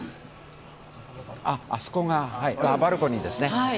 あそこがバルコニーですね。